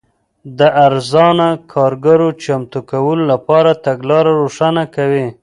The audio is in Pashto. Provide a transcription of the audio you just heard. د ارزانه کارګرو چمتو کولو لپاره تګلاره روښانه کوي.